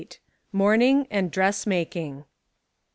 MOUBNING AND DRESSMAKING.